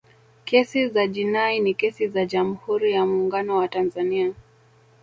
kesi za jinai ni kesi za jamhuri ya muungano wa tanzania